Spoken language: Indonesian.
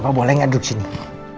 apa boleh gak duduk sini